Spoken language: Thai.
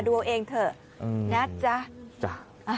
ดูเอาเองเถอะอืมนะจ๊ะจ๊ะ